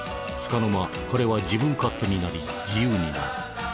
つかの間彼は自分勝手になり自由になる。